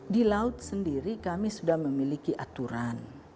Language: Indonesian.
di laut sendiri kami sudah memiliki aturan